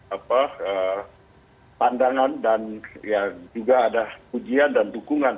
apa pandangan dan ya juga ada ujian dan dukungan